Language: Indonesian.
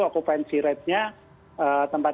occupancy ratenya tempat